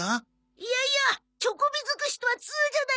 いやいやチョコビ尽くしとは通じゃないか。